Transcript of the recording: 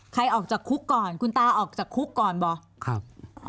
ออกจากคุกก่อนคุณตาออกจากคุกก่อนเหรอครับ